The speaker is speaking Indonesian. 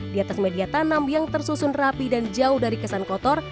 di atas media tanam yang tersusun rapi dan jauh dari kesan kotor